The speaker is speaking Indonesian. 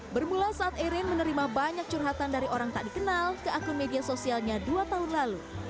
bermula saat erin menerima banyak curhatan dari orang tak dikenal ke akun media sosialnya dua tahun lalu